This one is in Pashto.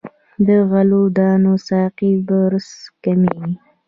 د غلو دانو ساقې بوس کیږي.